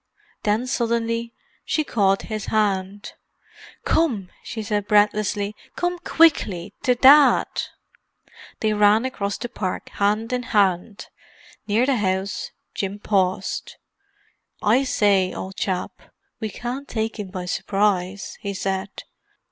Then, suddenly, she caught his hand. "Come!" she said breathlessly. "Come quickly—to Dad!" They ran across the park, hand in hand. Near the house Jim paused. "I say, old chap, we can't take him by surprise," he said.